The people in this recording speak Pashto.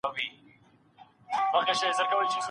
ډېرو ړوند سړیو په ګڼ ځای کي ږیري نه دي پریښې.